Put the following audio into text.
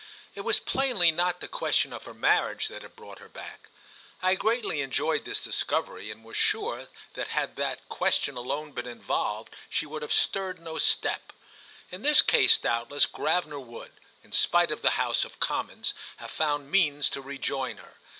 It was plainly not the question of her marriage that had brought her back. I greatly enjoyed this discovery and was sure that had that question alone been involved she would have stirred no step. In this case doubtless Gravener would, in spite of the House of Commons, have found means to rejoin her.